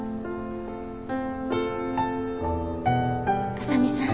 浅見さん。